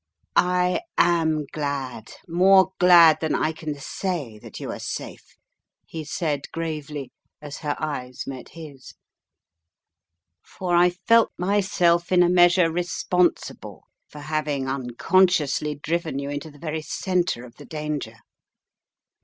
"I am glad, more glad than I can say, that you are safe/ 9 he said, gravely, as her eyes met his, "for 294 "A Tale Unfolded" 295 I felt myself in a measure responsible for having un consciously driven you into the very centre of the danger."